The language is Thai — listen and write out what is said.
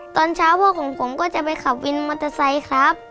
ตอนเช้าพ่อของผมก็จะไปขับวินมอเตอร์ไซค์ครับ